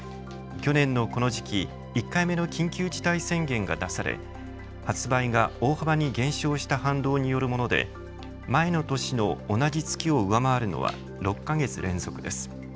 去年のこの時期、１回目の緊急事態宣言が出され発売が大幅に減少した反動によるもので前の年の同じ月を上回るのは６か月連続です。